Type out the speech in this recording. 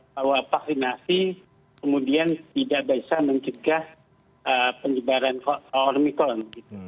bahwa vaksinasi kemudian tidak bisa mencegah penyebaran omicron